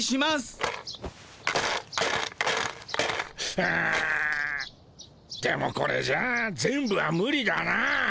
うんでもこれじゃあ全部はムリだな。